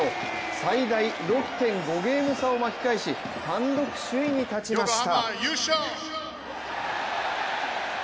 最大６．５ゲーム差を巻き返し、単独首位に立ちました。